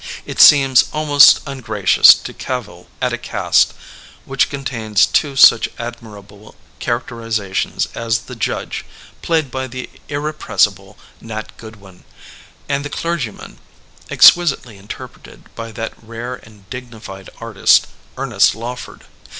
It seems almost ungracious to cavil at a cast which contains two such admirable characterizations as the judge, played by the irrepressible Nat Goodwin, and the clergyman, exquisitely interpreted by that rare and dignified artist, Ernest Lawford.